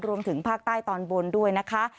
รวมถึงภาคใต้ตอนบนด้วยนะคะ